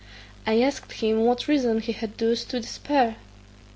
I asked him what reason he had thus to despair?